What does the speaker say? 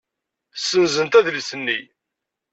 Ssenzent adlis-nni.